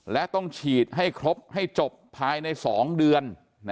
และต้องฉีดให้ครบให้จบภายใน๒เดือน